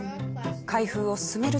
開封を進めると。